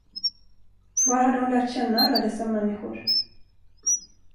Var hade hon lärt känna alla dessa människor?